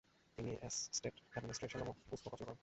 তিনি estate administration নামক পুস্তক রচনা করেন।